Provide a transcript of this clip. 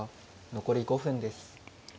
残り５分です。